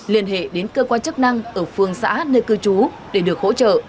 liên hệ đến cơ quan chức năng ở phương xã nơi cư trú để được hỗ trợ